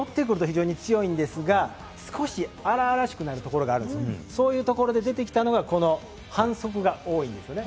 だからノッてくると非常に強いんですが、荒々しくなるところがある、そういうところで出てきたのが反則が多いんです。